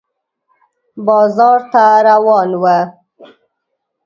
بازار ته روان و